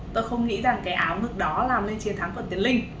tôi không nghĩ rằng cái áo ngực đó làm nên chiến thắng của tiến linh